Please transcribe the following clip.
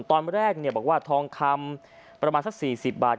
ตอนแรกบอกว่าทองคำประมาณสัก๔๐บาท